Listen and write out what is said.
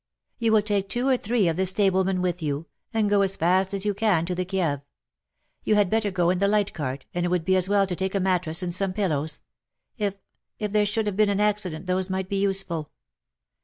'^ You will take two or three of the stablemen with you, and go as fast as you can to the Kieve. You had better go in the light cart, and it would be as well to take a mattress, and some pillows. If — if there should have been an accident those might be useful.